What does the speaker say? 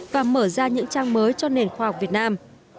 và mở ra những trang mới cho nền khoa học việt nam